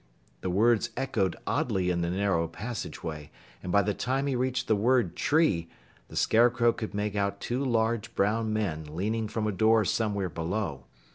The words echoed oddly in the narrow passageway, and by the time he reached the word "tree" the Scarecrow could make out two large brown men leaning from a door somewhere below.